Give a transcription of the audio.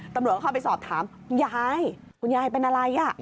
ตำรวจก็เข้าไปสอบถามคุณยายคุณยายเป็นอะไร